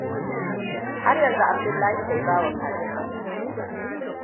Har yanzu Abdullahi bai bawa kajin abinci ba.